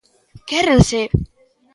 Quérense.